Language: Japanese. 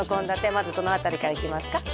まずどの辺りからいきますか？